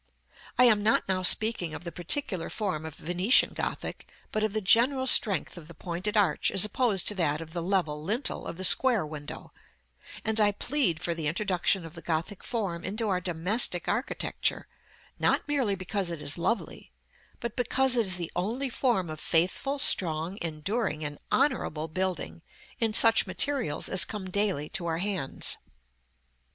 I am not now speaking of the particular form of Venetian Gothic, but of the general strength of the pointed arch as opposed to that of the level lintel of the square window; and I plead for the introduction of the Gothic form into our domestic architecture, not merely because it is lovely, but because it is the only form of faithful, strong, enduring, and honorable building, in such materials as come daily to our hands.